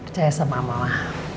percaya sama mama lah